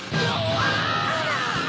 あら。